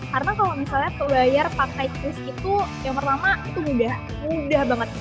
karena kalau misalnya pelayar pakai chris itu yang pertama itu mudah mudah banget